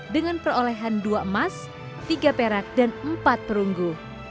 dengan perolehan dua emas tiga perak dan empat perunggu